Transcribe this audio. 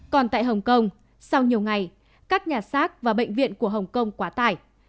còn tại hồng kông sau nhiều ngày các nhà xác và bệnh viện của hồng kông quá tải